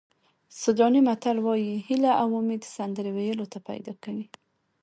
سوډاني متل وایي هیله او امید سندرې ویلو ته پیدا کوي.